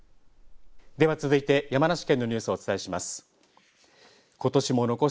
では続いて山梨県のニュースをお伝えします。